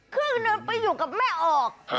คึงดนตร์ปะอยู่กับแม่ออก